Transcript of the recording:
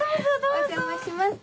お邪魔します。